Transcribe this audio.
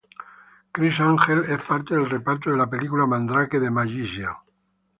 Criss Angel es parte del reparto de la película "Mandrake the Magician".